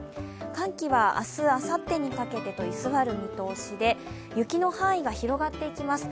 寒気は明日、あさってにかけて居座る見通しで雪の範囲が広がっていきます。